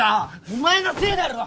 お前のせいだろ！